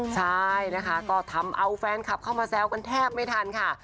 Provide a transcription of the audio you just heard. ใช่นะคะก็ทำเอาแฟนคลับเข้ามาแซวกันแทบไม่ทันค่ะ